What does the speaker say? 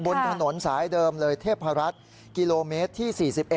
บนถนนสายเดิมเลยเทพรัฐกิโลเมตรที่๔๑